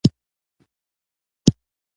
بشپړ بریالیتوب څخه پاته شو.